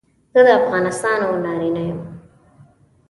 زه د افغانستان او نارینه یم.